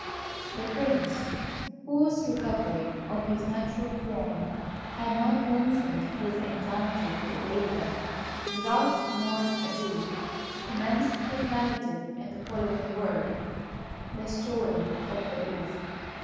The Prince, whose recovery of his natural form had not lessened his anxiety to obey her, without more ado commenced his narrative in the following words: THE STORY OF THE BEAST.